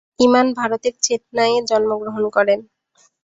ইমান ভারতের চেন্নাইয়ে জন্মগ্রহণ করেন।